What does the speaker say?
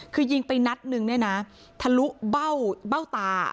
คือยิงไปนัดหนึ่งเนี้ยน่ะทะลุเบ้าเบ้าตา